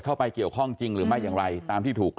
แต่ว่าเราไม่ได้ยินแล้วเราก็พูดกับมันดีมันก็ยอมรับมา